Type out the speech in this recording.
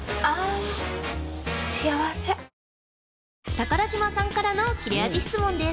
たから島さんからの切れ味質問です